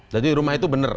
jadi rumah itu benar